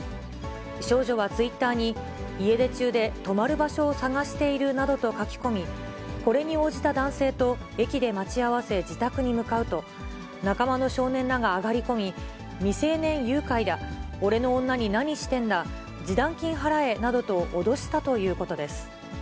少女はツイッターに、家出中で泊まる場所を探しているなどと書き込み、これに応じた男性と駅で待ち合わせ、自宅に向かうと、仲間の少年らが上がり込み、未成年誘拐だ、俺の女に何してんだ、示談金払えなどと、脅したということです。